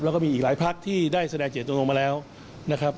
แล้วก็มีอีกหลายพักที่ได้แสดงเจตตรงมาแล้วนะครับ